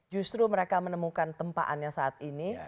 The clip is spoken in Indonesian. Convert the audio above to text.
justru mereka menemukan tempaannya saat ini